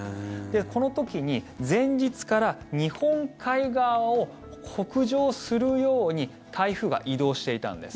この時に前日から日本海側を北上するように台風が移動していたんです。